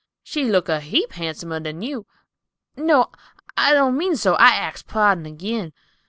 She looked a heap han'somer than you—no, I don't mean so—I axes pardon agin."